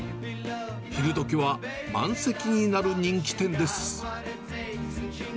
昼どきは満席になる人気店です。